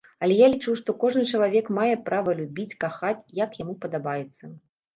Але я лічу, што кожны чалавек мае права любіць, кахаць, як яму падабаецца.